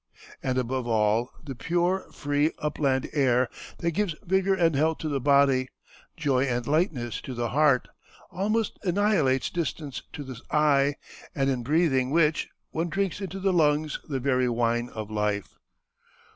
And above all, the pure, free, upland air, that gives vigor and health to the body, joy and lightness to the heart, almost annihilates distance to the eye; and in breathing which, one drinks into the lungs the very wine of life.